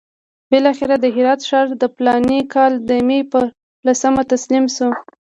بالاخره د هرات ښار د فلاني کال د مې پر لسمه تسلیم شو.